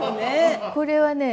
これはね